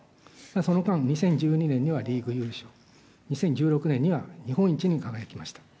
その間、２０１２年にはリーグ優勝、２０１６年には日本一に輝きました。